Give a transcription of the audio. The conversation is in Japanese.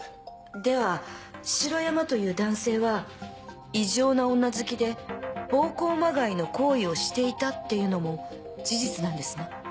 では城山という男性は異常な女好きで暴行まがいの行為をしていたっていうのも事実なんですね？